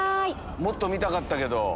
もっと見たかったけど。